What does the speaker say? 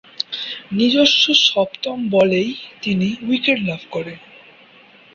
নিজস্ব সপ্তম বলেই তিনি উইকেট লাভ করেন।